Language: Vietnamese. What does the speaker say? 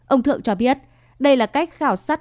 ông thượng cho biết đây là cách khảo sát